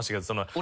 俺。